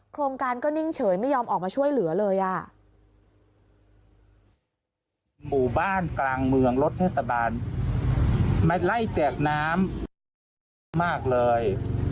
โครงการก็นิ่งเฉยไม่ยอมออกมาช่วยเหลือเลยอ่ะ